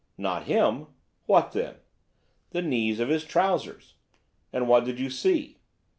"Not him." "What then?" "The knees of his trousers." "And what did you see?"